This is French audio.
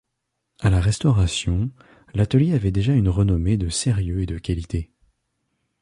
À la Restauration, l’atelier avait déjà une renommée de sérieux et de qualité.